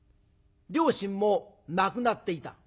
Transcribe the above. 両親も亡くなっていた。